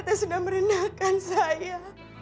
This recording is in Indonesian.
teteh sudah merenahkan saya